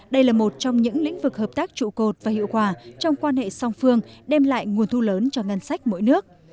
đây là một trong những lĩnh vực hợp tác trụ cột và hiệu quả trong quan hệ song phương đem lại nguồn thu lớn cho ngân sách mỗi nước